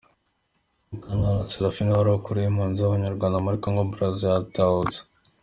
Mukantabana Seraphine wari ukuriye impunzi z’Abanyarwanda muri Congo-Brazza yatahutse.